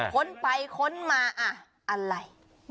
ค้นไปค้นมาอะไร